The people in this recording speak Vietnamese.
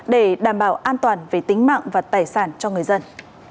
để đảm bảo an toàn về tính mạng và tài sản cho người dân